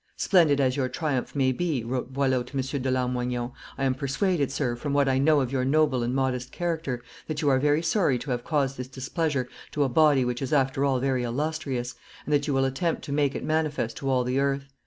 "Splendid as your triumph may be," wrote Boileau to M. de Lamoignon, "I am persuaded, sir, from what I know of your noble and modest character, that you are very sorry to have caused this displeasure to a body which is after all very illustrious, and that you will attempt to make it manifest to all the earth.